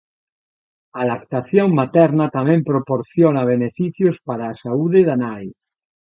A lactación materna tamén proporciona beneficios para a saúde da nai.